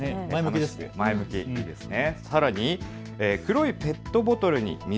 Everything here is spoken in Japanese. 前向きですね。